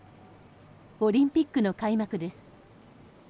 オリンピックの開幕です。